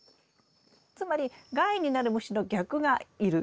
つまり害になる虫の逆がいる。